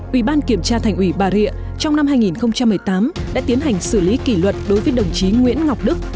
ủy ban kiểm tra thành ủy bà rịa trong năm hai nghìn một mươi tám đã tiến hành xử lý kỷ luật đối với đồng chí nguyễn ngọc đức